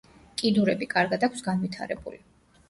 კიდურები კარგად აქვს განვითარებული.